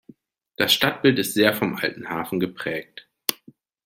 Das Stadtbild ist sehr vom alten Hafen geprägt.